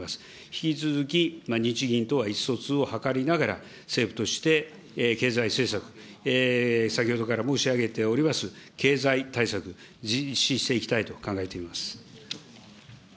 引き続き、日銀とは意思疎通を図りながら、政府として経済政策、先ほどから申し上げております経済対策、ぜひ実施していきたいと考えております。